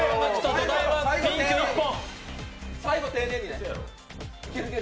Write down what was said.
土台はピンク１本。